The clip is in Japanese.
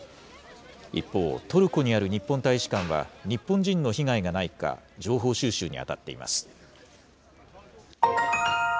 一方、トルコにある日本大使館は、日本人の被害がないか、情報収集に当たっています。